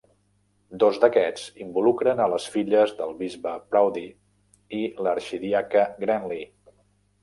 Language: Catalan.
Dos d'aquests involucren a les filles del bisbe Proudie i l'arxidiaca Grantly.